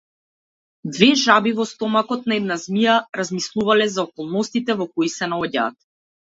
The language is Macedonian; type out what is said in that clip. Две жаби во стомакот на една змија размислувале за околностите во кои се наоѓаат.